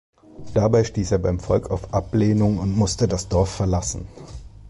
Dabei stieß er beim Volk auf Ablehnung und musste das Dorf verlassen.